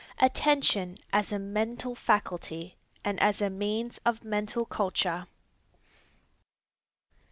ATTENTION AS A MENTAL FACULTY, AND AS A MEANS OF MENTAL CULTURE.